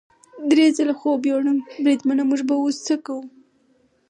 درې ځله خوب یووړم، بریدمنه موږ به اوس څه کوو؟